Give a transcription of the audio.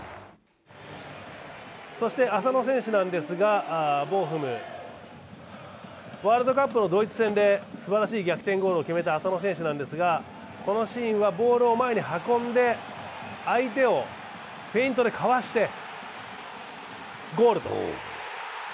そして浅野選手なんですが、ボーフム、ワールドカップのドイツ戦ですばらしい逆転ゴールを決めた浅野選手なんですがこのシーンはボールを前に運んで、相手をフェイントでかわしてゴールと。